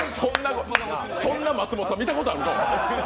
そんな松本さん、見たことあるか。